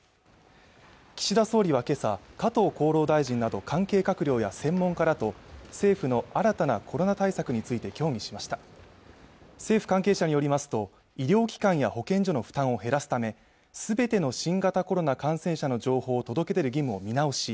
岸田総理は今朝加藤厚労大臣など関係閣僚や専門家らと政府の新たな雇用対策について協議しました政府関係者によりますと医療機関や保健所の負担を減らすため全ての新型コロナ感染者の情報を届け出る義務を見直し